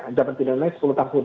ancaman pidananya sepuluh tahun